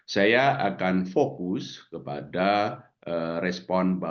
saya akan fokus kepada respon